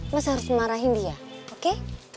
mas harus marahin dia oke